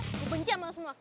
gue benci sama lo semua